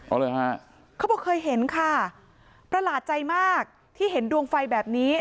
เอาเลยฮะเขาบอกเคยเห็นค่ะประหลาดใจมากที่เห็นดวงไฟแบบนี้